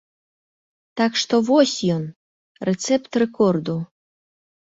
Так што вось ён, рэцэпт рэкорду.